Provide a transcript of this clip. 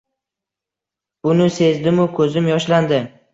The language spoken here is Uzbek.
Buni sezdim-u, ko`zim yoshlandi